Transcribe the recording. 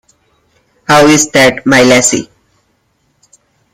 How is that, my lassie?